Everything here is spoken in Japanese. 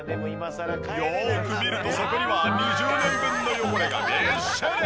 よーく見るとそこには２０年分の汚れがびっしり！